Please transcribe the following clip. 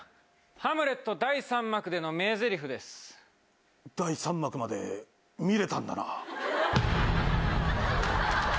ハムレット第３幕での第３幕まで見れたんだな。